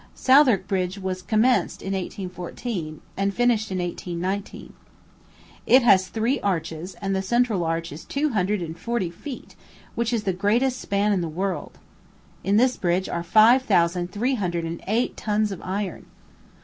Southwark Bridge was commenced in 1814, and finished in 1819. It has three arches, and the central arch is two hundred and forty feet, which is the greatest span in the world. In this bridge are five thousand three hundred and eight tons of iron.